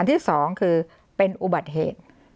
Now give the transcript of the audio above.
อันที่๒คือเป็นอุบัติเหตุ